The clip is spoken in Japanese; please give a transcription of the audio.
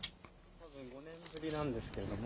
たぶん５年ぶりなんですけども。